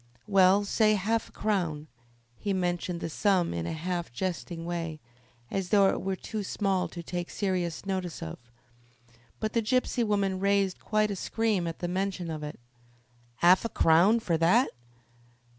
"Well, say half a crown." He mentioned the sum in a half jesting way, as though it were too small to take serious notice of, but the gypsy woman raised quite a scream at the mention of it. "'Arf a crown! for that?"